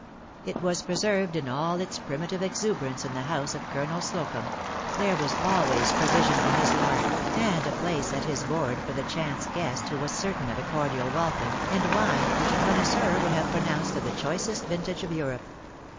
It was preserved in all its primitive exuberance in the house of Colonel Slocumb; there was always provision in his larder, and a place at his board for the chance guest, who was certain of a cordial welcome, and wine which a connoisseur would have pronounced of the choicest vintage of Europe.